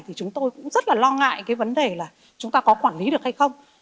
thì chúng tôi cũng rất là lo ngại cái vấn đề là chúng ta có quản lý được hay không